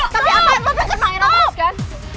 tapi apaan lo bisa kena enak terus kan